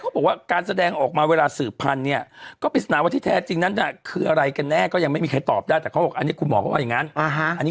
โอ้โฮจังหวัดอุดรณ์ภาพนี้นี่เนี่ยมันเป็นใครครับ